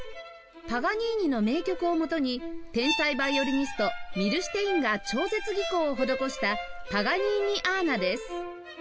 パガニーニの名曲をもとに天才ヴァイオリニストミルシテインが超絶技巧を施した『パガニーニアーナ』です